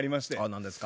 何ですか？